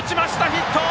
ヒット！